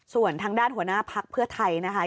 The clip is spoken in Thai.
ส่วนทางด้านหัวหน้าพักเพื่อไทยนะคะ